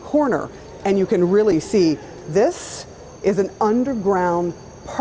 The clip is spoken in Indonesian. dan anda bisa melihat ini adalah garaj parkir di bawah